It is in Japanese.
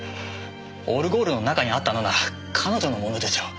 オルゴールの中にあったのなら彼女のものでしょう。